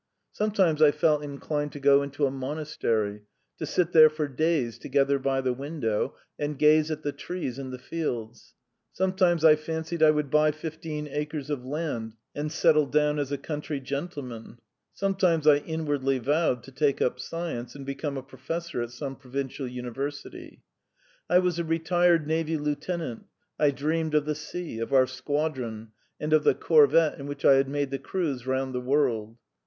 Sometimes I felt inclined to go into a monastery, to sit there for days together by the window and gaze at the trees and the fields; sometimes I fancied I would buy fifteen acres of land and settle down as a country gentleman; sometimes I inwardly vowed to take up science and become a professor at some provincial university. I was a retired navy lieutenant; I dreamed of the sea, of our squadron, and of the corvette in which I had made the cruise round the world.